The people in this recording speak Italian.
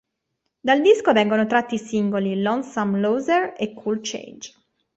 Dal disco vengono tratti i singoli "Lonesome Loser" e "Cool Change".